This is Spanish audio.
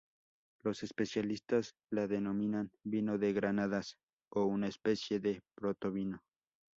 Los especialistas la denominan "vino de granadas" o una especie de proto-vino.